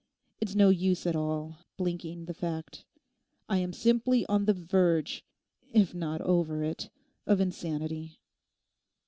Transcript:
It's no use at all blinking the fact; I am simply on the verge, if not over it, of insanity.